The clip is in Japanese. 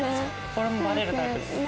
俺もバレるタイプです。